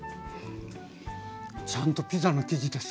ちゃんとピザの生地です。